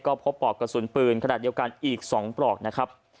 ก็พบปลอกกระสุนปืนขนาดเดียวกันอีก๒ปลอกนะครับ